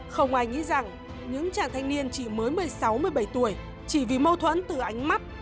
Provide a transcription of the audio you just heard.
không ai nghĩ rằng những chàng thanh niên chỉ mới một mươi sáu một mươi bảy tuổi chỉ vì mâu thuẫn từ ánh mắt